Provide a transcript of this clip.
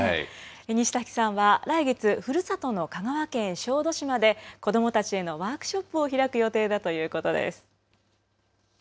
西滝さんは、来月、ふるさとの香川県小豆島で、子どもたちへのワークショップを開く予定だということです。